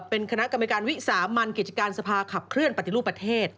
เป็นคณะกรรมการวิสามันกิจการสภาขับเคลื่อนปฏิรูปประเทศ